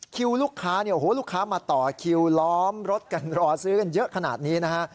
ลูกค้าเนี่ยโอ้โหลูกค้ามาต่อคิวล้อมรถกันรอซื้อกันเยอะขนาดนี้นะฮะ